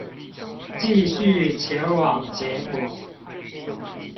繼續前往結果